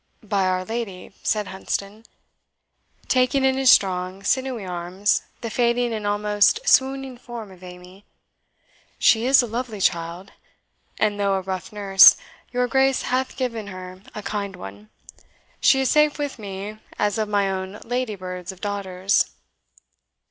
"By Our Lady," said Hunsdon, taking in his strong, sinewy arms the fading and almost swooning form of Amy, "she is a lovely child! and though a rough nurse, your Grace hath given her a kind one. She is safe with me as one of my own ladybirds of daughters."